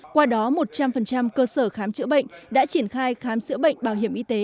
qua đó một trăm linh cơ sở khám chữa bệnh đã triển khai khám chữa bệnh bảo hiểm y tế